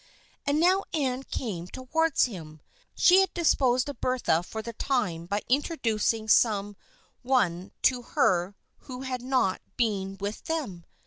And now Anne came towards him. She had disposed of Bertha for the time by introducing some one to her who had not been with them.